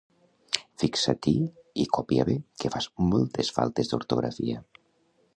Fixa-t'hi i copia bé, que fas moltes faltes d'ortografia